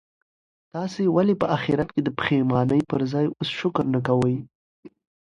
تاسي ولي په اخیرت کي د پښېمانۍ پر ځای اوس شکر نه کوئ؟